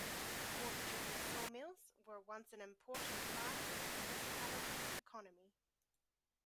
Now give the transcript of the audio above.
Water-driven sawmills were once an important part of the municipality's economy.